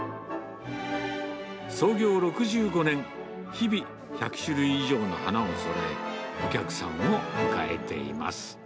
創業６５年、日々、１００種類以上の花をそろえ、お客さんを迎えています。